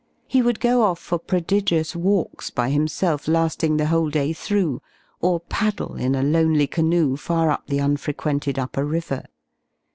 He would go off for prodigious walks by himself lading the whole day through, or paddle in a lonely canoe far up the unfrequented upper river.